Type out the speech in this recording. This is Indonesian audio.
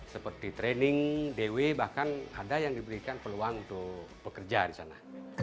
seperti training day bahkan ada yang diberikan peluang untuk bekerja di sana